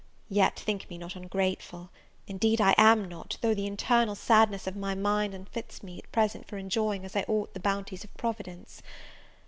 Yet think me not ungrateful; indeed I am not, although the internal sadness of my mind unfits me, at present, for enjoying as I ought the bounties of Providence.